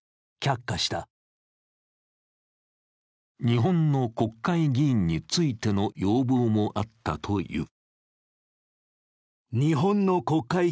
日本の国会議員についての要望もあったという。